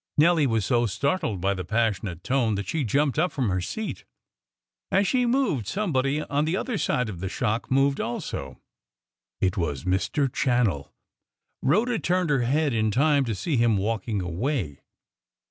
Nelly was so startled by the passionate tone that she jumped up from her seat. As she moved, somebody on the other side of the shock moved also. It was Mr. Channell. Rhoda turned her head in time to see him walking away.